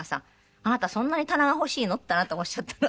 「あなたそんなに棚が欲しいの？」ってあなたがおっしゃったの。